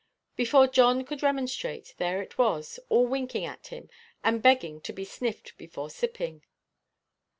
Before John could remonstrate, there it was, all winking at him, and begging to be sniffed before sipping.